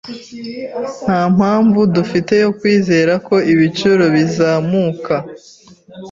Nta mpamvu dufite yo kwizera ko ibiciro bizamuka